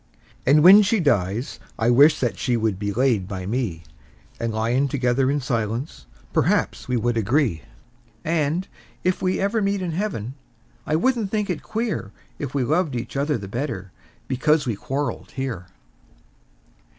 And when she dies I wish that she would be laid by me, And, lyin' together in silence, perhaps we will agree; And, if ever we meet in heaven, I wouldn't think it queer If we loved each other the better because we quarreled here.